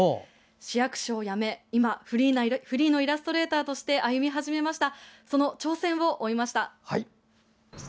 市役所を辞め、今フリーのイラストレーターとして歩み始めたその挑戦を追いました。